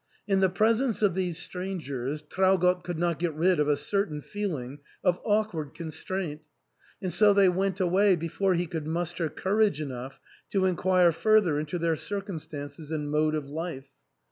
In the presence of these stran gers Traugott could not get rid of a certain feeling of awkward constraint ; and so they went away before he could muster courage enough to inquire further into their circumstances and mode of life.